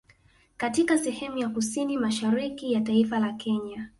Katika sehemu ya kusini mashariki ya taifa la Kenya